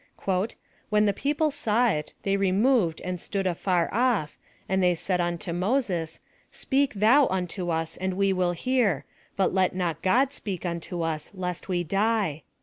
" When the people saw it, they removed and stood afar ofl', and thej said unto Moses, Speak thou unto us and we will hear : but let not God speak unto us lest we die.